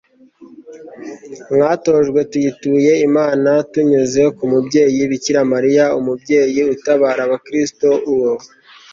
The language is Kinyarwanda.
mwatojwe, tuyituye imana tunyuze ku mubyeyi bikira mariya umubyeyi utabara aba kristu, uwo